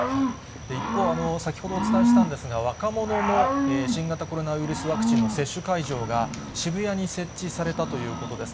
一方、先ほどお伝えしたんですが、若者の新型コロナウイルスワクチンの接種会場が、渋谷に設置されたということです。